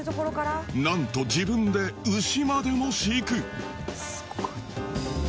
なんと自分で牛までも飼育！